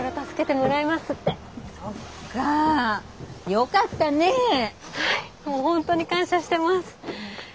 もう本当に感謝してます。